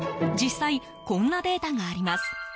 実際、こんなデータがあります。